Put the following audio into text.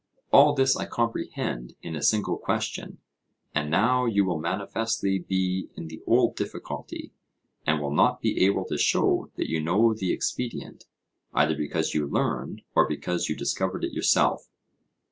All this I comprehend in a single question, and now you will manifestly be in the old difficulty, and will not be able to show that you know the expedient, either because you learned or because you discovered it yourself.